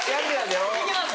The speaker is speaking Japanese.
いけます！